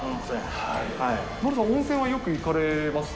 丸さん、温泉はよく行かれます？